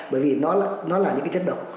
bởi vì nó là những cái chất độc